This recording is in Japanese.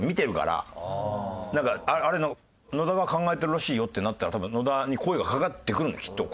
「あれ野田が考えてるらしいよ」ってなったら多分野田に声がかかってくるのきっと。